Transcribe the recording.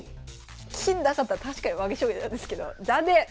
金なかったら確かに負け将棋なんですけど残念！